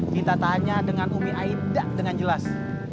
kita tanya dengan umi aida dengan jelas